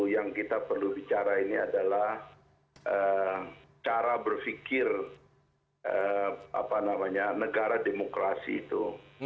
yang kita perlu bicara ini adalah cara berfikir apa namanya negara demokrasi itu